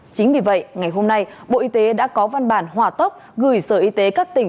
chính vì vậy ngày hôm nay bộ y tế đã có văn bản hòa tốc gửi sở y tế các tỉnh